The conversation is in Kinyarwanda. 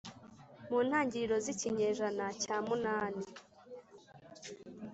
mu ntangiriro z’ikinyejana cya munani